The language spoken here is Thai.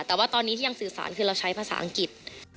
แต่ว่าตอนนี้ที่ยังสื่อสารคือเราใช้ภาษาอังกฤษ